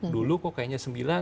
dulu kok kayaknya sembilan